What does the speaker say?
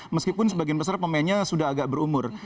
meskipun sebagian besar pemainnya sudah agak berumur